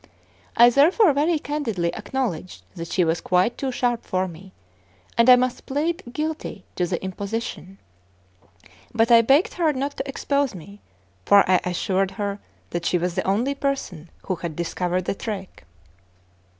I therefore very candidly acknowledged that she was quite too sharp for me, and I must plead guilty to the imposition; but I begged her not to expose me, for I assured her that she was the only person who had discovered the trick.